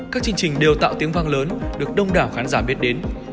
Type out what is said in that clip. các chương trình đều tạo tiếng vang lớn được đông đảo khán giả biết đến